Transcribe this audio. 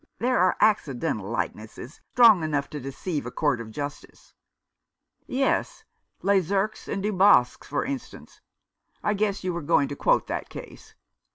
There are accidental likenesses strong enough to deceive a court of justice." "Yes, Lesurques and Dubosc, for instance — I guess you were going to quote that case.